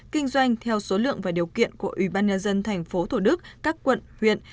kinh doanh theo số lượng và điều kiện của ủy ban nhà dân thành phố thổ đức các quận huyện